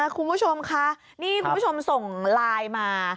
คุณผู้ชมคะนี่คุณผู้ชมส่งไลน์มา